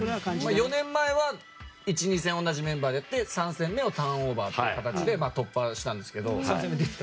４年前は１、２戦同じメンバーやって３戦目をターンオーバーという形で突破したんですけど。